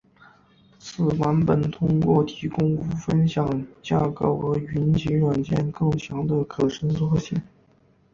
此版本通过提供无分享架构而允许软件更强的可伸缩性。